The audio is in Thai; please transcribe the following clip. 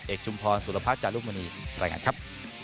ชุมพรสุรพัฒน์จารุมณีรายงานครับ